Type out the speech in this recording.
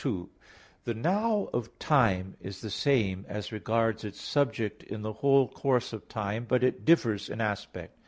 2: The "now" of time is the same as regards its subject in the whole course of time, but it d